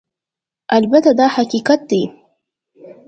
البته دا حقیقت دی